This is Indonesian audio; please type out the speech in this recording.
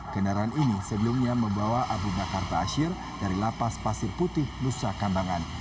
kendaraan ini sebelumnya membawa abu bakar baasir dari lapas pasir putih nusa kambangan